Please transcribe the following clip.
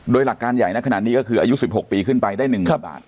โดยหลักการใหญ่น่ะขนาดนี้ก็คืออายุสิบหกปีขึ้นไปได้หนึ่งบาทครับ